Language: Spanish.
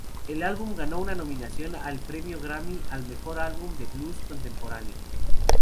El álbum ganó una nominación al premio Grammy al mejor álbum de blues contemporáneo.